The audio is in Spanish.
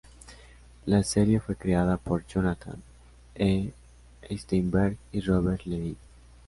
La serie fue creada por Jonathan E. Steinberg y Robert Levine.